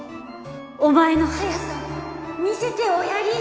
お前の速さを見せておやり！